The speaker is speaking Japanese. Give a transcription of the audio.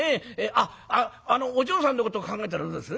あっお嬢さんのことを考えたらどうです？